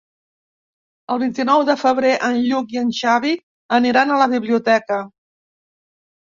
El vint-i-nou de febrer en Lluc i en Xavi aniran a la biblioteca.